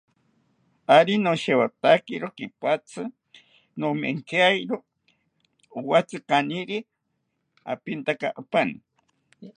Ari noshewotakiro kipatzi, nomonkiaki owatzi kaniri apintaka apani